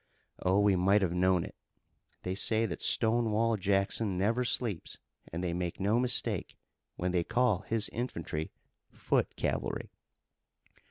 Oh, we might have known it! They say that Stonewall Jackson never sleeps, and they make no mistake, when they call his infantry foot cavalry!"